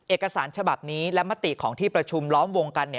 เอกสารฉบับนี้และมติของที่ประชุมล้อมวงกัน